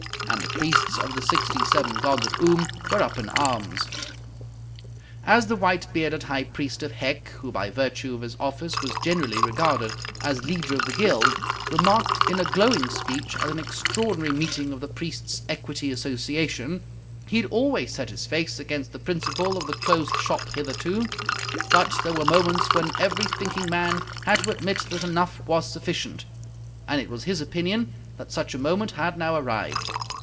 And the priests of the sixty seven gods of Oom were up in arms. As the white bearded High Priest of Hec, who by virtue of his office was generally regarded as leader of the guild, remarked in a glowing speech at an extraordinary meeting of the Priests' Equity Association, he had always set his face against the principle of the Closed Shop hitherto, but there were moments when every thinking man had to admit that enough was sufficient, and it was his opinion that such a moment had now arrived.